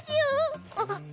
あっ！